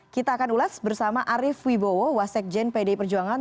kita akan ulas bersama arief wibowo wasekjen pdi perjuangan